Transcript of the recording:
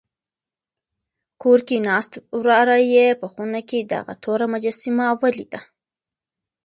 کور کې ناست وراره یې په خونه کې دغه توره مجسمه ولیده.